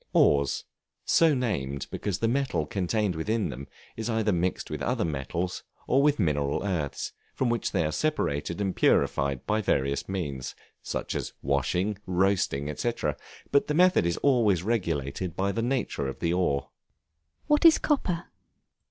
Ores; so named because the metal contained in them is either mixed with other metals, or with mineral earths, from which they are separated and purified by various means: such as washing, roasting, &c., but the method is always regulated by the nature of the ore. What is Copper?